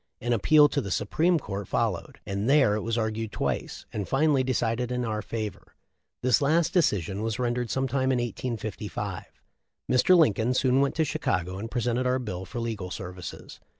An appeal to the Supreme Court followed, and there it was argued twice, and finally decided in our favor. This last decision was rendered some time in 1855. Mr. Lincoln soon went to Chicago and presented our bill for legal services.